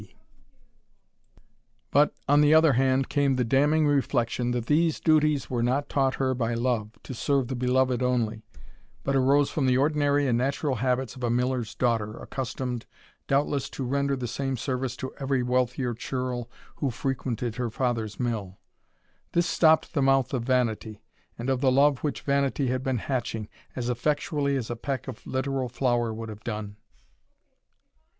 But, on the other hand, came the damning reflection, that these duties were not taught her by Love, to serve the beloved only, but arose from the ordinary and natural habits of a miller's daughter, accustomed, doubtless, to render the same service to every wealthier churl who frequented her father's mill. This stopped the mouth of vanity, and of the love which vanity had been hatching, as effectually as a peck of literal flour would have done.